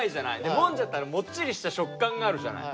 もんじゃってあれもっちりした食感があるじゃない？